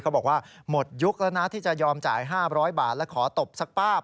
เขาบอกว่าหมดยุคแล้วนะที่จะยอมจ่าย๕๐๐บาทและขอตบสักป้าบ